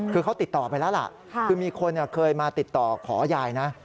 คือเขาติดต่อไปแล้วล่ะคือมีคนเคยมาติดต่อขอยายนะ